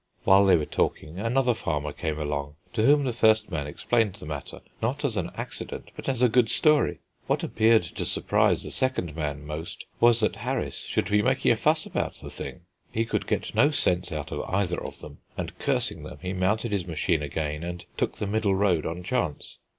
While they were talking another farmer came along, to whom the first man explained the matter, not as an accident, but as a good story. What appeared to surprise the second man most was that Harris should be making a fuss about the thing. He could get no sense out of either of them, and cursing them he mounted his machine again, and took the middle road on chance.